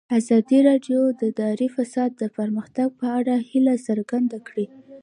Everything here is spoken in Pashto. ازادي راډیو د اداري فساد د پرمختګ په اړه هیله څرګنده کړې.